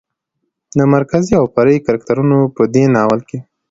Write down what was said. مرکزي او فرعي کرکترونو په دې ناول کې